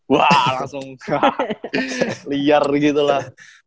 wah langsung ke liar gitu lah